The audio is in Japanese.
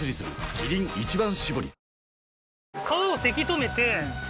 キリン「一番搾り」